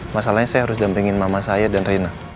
masalahnya saya harus dampingin mama saya dan rena